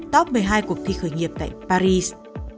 top một mươi hai cuộc thi khởi nghiệp tại paris